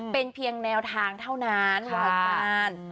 เป็นเพียงแนวทางเท่านั้น